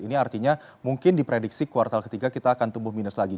ini artinya mungkin diprediksi kuartal ketiga kita akan tumbuh minus lagi